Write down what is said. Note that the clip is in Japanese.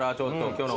今日の。